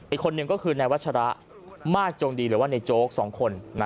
อีกคนนึงก็คือนายวัชระมากจงดีหรือว่าในโจ๊ก๒คน